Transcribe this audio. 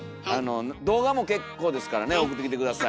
動画も結構ですからね送ってきて下さい。